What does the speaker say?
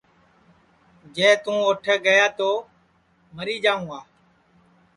جے تُون اوٹھے گیا تو مری جاؤں گا